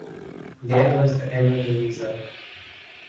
There was the Emma Louisa.